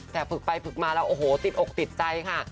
แต่ฝึกไปฝึกมาแล้วโอ้โหติดอกติดใจค่ะ